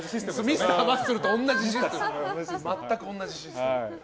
ミスターマッスルと全く同じシステム。